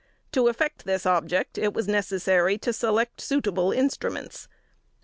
To effect this object it was necessary to select suitable instruments.